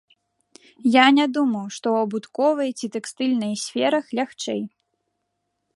Я не думаў, што ў абутковай ці тэкстыльнай сферах лягчэй.